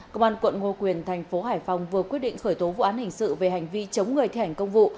công an quận ngo quyền thành phố hải phòng vừa quyết định khởi tố vụ án hình sự về hành vi chống người thi hành công vụ